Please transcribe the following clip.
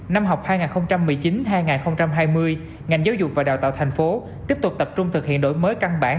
năm học hai nghìn một mươi chín hai nghìn hai mươi ngành giáo dục và đào tạo thành phố tiếp tục tập trung thực hiện đổi mới căn bản